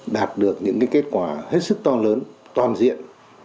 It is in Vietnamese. đạt được những kết quả hết sức to lớn toàn diện